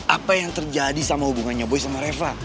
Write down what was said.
apa yang terjadi sama hubungannya boy sama reva